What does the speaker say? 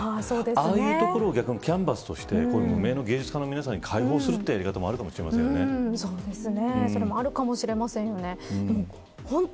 ああいう所を逆にキャンバスとして無名の芸術家の皆さんに開放するやり方もそれもあるかもしれませんよね。